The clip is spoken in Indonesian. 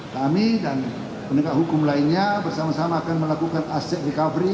kami dan penegak hukum lainnya bersama sama akan melakukan aset recovery